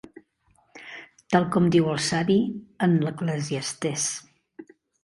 Tal com diu el Savi en l'Eclesiastès.